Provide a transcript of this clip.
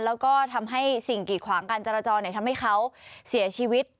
แล้วก็ทำให้สิ่งกีดขวางการจราจรทำให้เขาเสียชีวิต